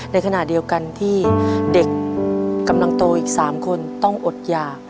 ในขณะเดียวกันที่เด็กกำลังโตอีก๓คนต้องอดหยาก